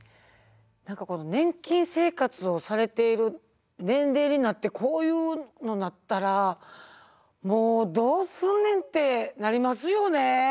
年金生活をされている年齢になってこういうのになったらもうどうすんねんってなりますよね。